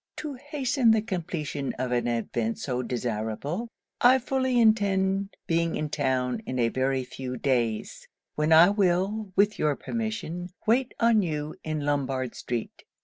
'To hasten the completion of an event so desirable, I fully intend being in town in a very few days; when I will, with your permission, wait on you in Lombard street.